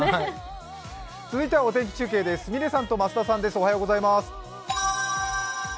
続いてはお天気中継です、嶺さんと増田さんです、おはようございます。